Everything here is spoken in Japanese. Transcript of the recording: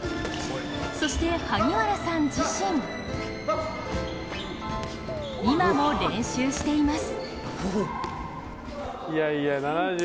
そして、萩原さん自身今も練習しています。